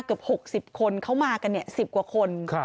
เกือบ๖๐คนเขามากัน๑๐กว่าคน